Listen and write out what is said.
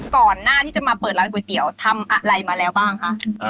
ก่อนหน้าที่จะมาเปิดร้านก๋วยเตี๋ยวทำอะไรมาแล้วบ้างคะ